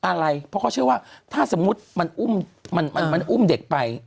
อะไรเพราะเขาเชื่อว่าถ้าสมมุติมันอุ้มมันอุ้มเด็กไป